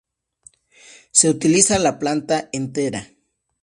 Se utiliza la planta entera.